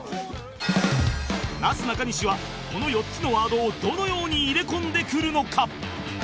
なすなかにしはこの４つのワードをどのように入れ込んでくるのか？